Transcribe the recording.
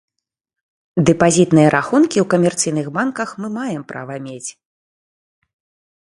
Дэпазітныя рахункі ў камерцыйных банках мы маем права мець.